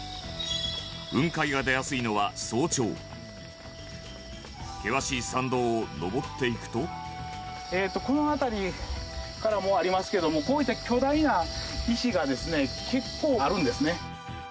雲海が出やすいのは、早朝険しい山道を上っていくとえっと、この辺りからもう、ありますけどもこういった巨大な石がですね結構あるんですね。